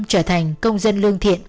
trở thành công dân lương thiện